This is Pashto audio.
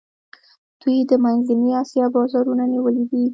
دوی د منځنۍ آسیا بازارونه نیولي دي.